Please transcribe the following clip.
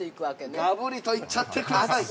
◆がぶりといっちゃってください。